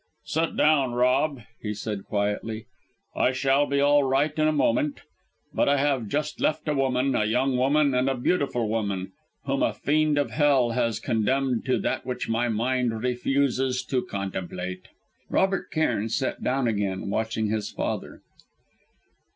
"Sit down, Rob," he said, quietly; "I shall be all right in a moment. But I have just left a woman a young woman and a beautiful woman whom a fiend of hell has condemned to that which my mind refuses to contemplate." Robert Cairn sat down again, watching his father.